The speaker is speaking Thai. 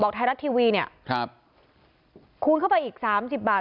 ไทยรัฐทีวีเนี่ยครับคูณเข้าไปอีกสามสิบบาท